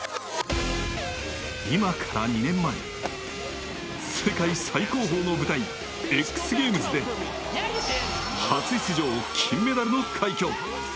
今から２年前世界最高峰の舞台ＸＧａｍｅｓで初出場、金メダルの快挙！